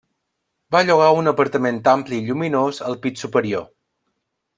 Va llogar un apartament ampli i lluminós al pis superior.